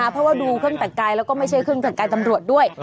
เพราะว่าดูเครื่องแต่งกายแล้วก็ไม่ใช่เครื่องแต่งกายตำรวจด้วย